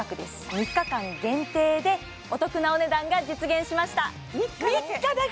３日間限定でお得なお値段が実現しました３日だけ？